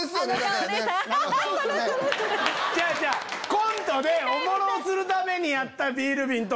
コントでおもろするためにやったビール瓶と。